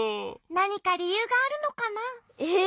なにかりゆうがあるのかな？え？